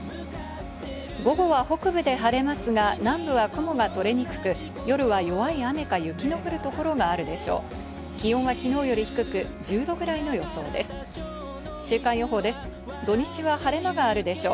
午後は北部で晴れますが、南部は雲が取れにくく、夜は弱い雨か雪の降る所があるでしょう。